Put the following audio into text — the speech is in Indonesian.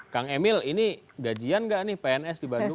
kang emil ini gajian nggak nih pns di bandung